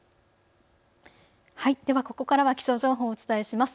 ではここからは気象情報をお伝えします。